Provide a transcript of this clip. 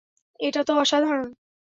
এটা তো অসাধারণ।